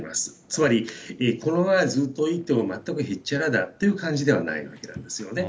つまり、このままいっても全くへっちゃらだという感じではないわけなんですね。